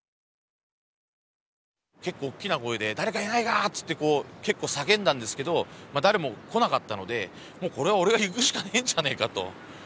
結構おっきな声で「誰かいないか！」つって結構叫んだんですけど誰も来なかったのでもうこれは俺が行くしかねえんじゃねえかということで。